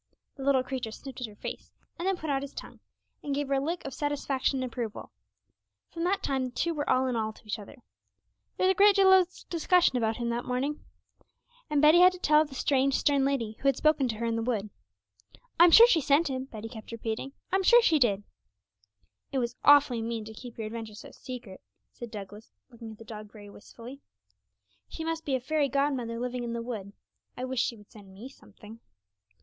The little creature sniffed at her face, and then put out his tongue, and gave her a lick of satisfaction and approval. From that time the two were all in all to each other. There was a great deal of discussion about him that morning, and Betty had to tell of the strange, stern lady who had spoken to her in the wood. 'I'm sure she sent him,' Betty kept repeating; 'I'm sure she did.' 'It was awfully mean to keep your adventure so secret, said Douglas, looking at the dog very wistfully; 'she must be a fairy godmother living in the wood. I wish she would send me something.'